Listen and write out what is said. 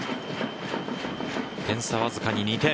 点差、わずかに２点。